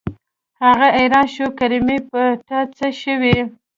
هغه حيران شو کریمې په تا څه شوي.